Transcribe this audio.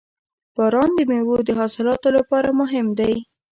• باران د میوو د حاصلاتو لپاره مهم دی.